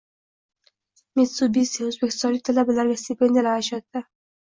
“Mitsubisi” o‘zbekistonlik talabalarga stipendiyalar ajratdi